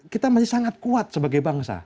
kita masih sangat kuat sebagai bangsa